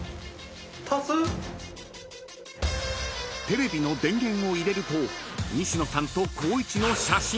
［テレビの電源を入れると西野さんと光一の写真］